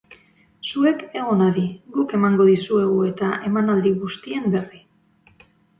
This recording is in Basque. Zuek egon adi, guk emango dizuegu eta, emanaldi guztien berri.